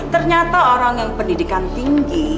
ternyata orang yang pendidikan tinggi